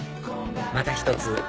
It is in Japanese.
また１つ